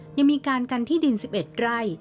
ยังมีการกันที่ดิน๑๑ไร่